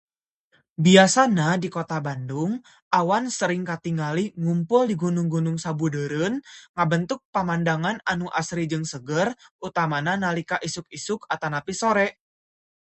Biasana di kota Bandung, awan sering katingali ngumpul di gunung-gunung sabudeureun ngabentuk pamandangan anu asri jeung seger, utamana nalika isuk-isuk atanapi sore.